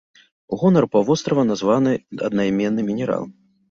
У гонар паўвострава названы аднайменны мінерал.